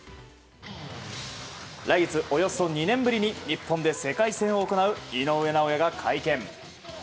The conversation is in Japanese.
来月、およそ２年ぶりに日本で世界戦を行う井上尚弥が会見。